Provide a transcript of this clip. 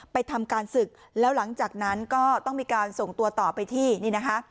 ทำการศึกแล้วหลังจากนั้นก็ต้องมีการส่งตัวต่อไปที่นี่นะคะ